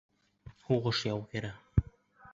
Һуғыш яугиры.